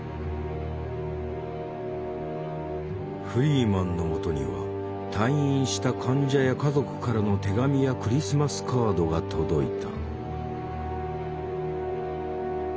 フリーマンの元には退院した患者や家族からの手紙やクリスマスカードが届いた。